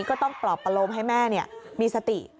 ก็ต้องปลอบประโลมให้แม่มีสติ